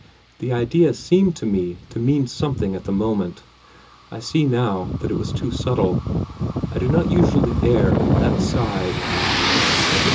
The idea seemed to me to mean something at the moment. I see now that it was too subtle. I do not usually err on that side."